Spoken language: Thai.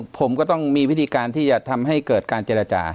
ผมก็ต้องมีวิธีการที่จะทำให้เกิดการเจรจา